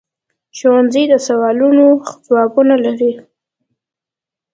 ښوونځی د سوالونو ځوابونه لري